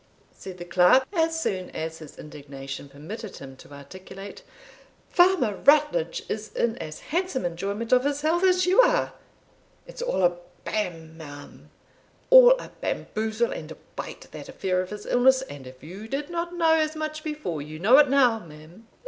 said the clerk, as soon as his indignation permitted him to articulate, "Farmer Rutledge is in as handsome enjoyment of his health as you are it's all a bam, ma'am all a bamboozle and a bite, that affair of his illness; and if you did not know as much before, you know it now, ma'am."